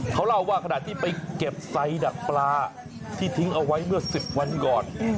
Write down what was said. เขาเล่าว่าขณะที่ไปเก็บไซดักปลาที่ทิ้งเอาไว้เมื่อ๑๐วันก่อน